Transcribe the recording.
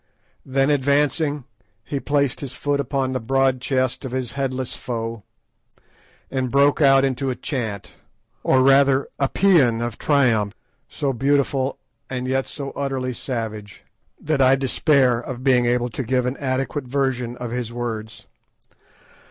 Then advancing, he placed his foot upon the broad chest of his headless foe and broke out into a chant, or rather a pæan of triumph, so beautiful, and yet so utterly savage, that I despair of being able to give an adequate version of his words.